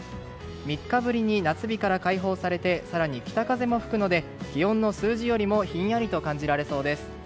３日ぶりに夏日から解放され更に北風も吹くので気温の数字よりもひんやりと感じられそうです。